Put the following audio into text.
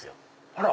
あら！